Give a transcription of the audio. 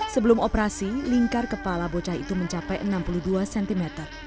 sebelum operasi lingkar kepala bocah itu mencapai enam puluh dua cm